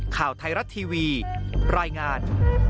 ข่าวไทยรัฐทีวีรายงาน